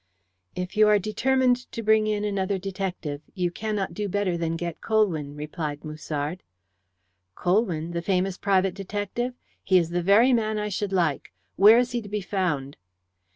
"If you are determined to bring in another detective, you cannot do better than get Colwyn," replied Musard. "Colwyn the famous private detective? He is the very man I should like. Where is he to be found?"